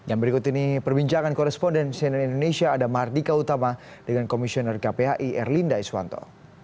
yang berikut ini perbincangan koresponden cnn indonesia ada mardika utama dengan komisioner kpai erlinda iswanto